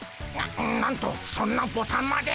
ななんとそんなボタンまで。